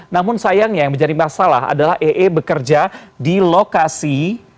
namun sayangnya yang menjadi masalah adalah ee bekerja di lokasi